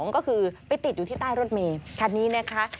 ก็คือไปติดอยู่ที่ใต้รถเมย์คันนี้นะคะ